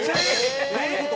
「どういう事？」と。